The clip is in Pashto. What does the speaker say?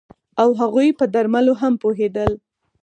او هغوی په درملو هم پوهیدل